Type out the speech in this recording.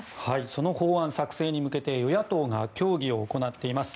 その法案作成に向けて与野党が協議を行っています。